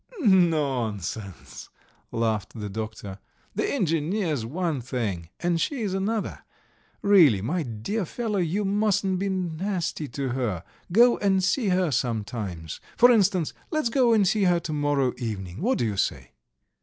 "Nonsense!" laughed the doctor, "the engineer's one thing and she's another. Really, my dear fellow, you mustn't be nasty to her; go and see her sometimes. For instance, let's go and see her tomorrow evening. What do you say?"